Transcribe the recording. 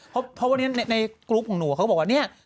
เพราะวันนี้ในกรุ๊ปของหนูเขาก็บอกว่าเนี่ย